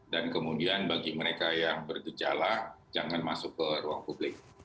dan kemudian bagi mereka yang bergejala jangan masuk ke ruang publik